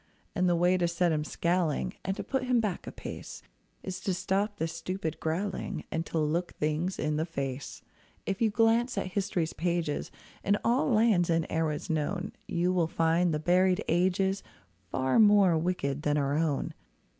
And the way to set him scowling, And to put him back a pace, Is to stop this stupid growling, And to look things in the face. If you glance at history's pages, In all lands and eras known, You will find the buried ages Far more wicked than our own.